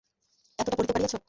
এতটা পড়িতে পারিয়াছ?